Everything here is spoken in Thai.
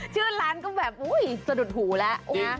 ชื่อร้านก็แบบอุ๊ยสะดุดหูแล้วนะ